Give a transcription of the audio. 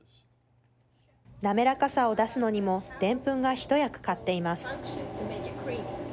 滑らかさを出すのにもでんぷんが一役買っています。